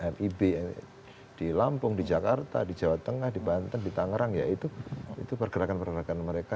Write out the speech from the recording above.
rib di lampung di jakarta di jawa tengah di banten di tangerang ya itu pergerakan pergerakan mereka